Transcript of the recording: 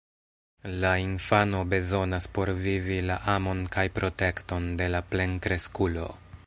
La infano bezonas por vivi la amon kaj protekton de la plenkreskulo.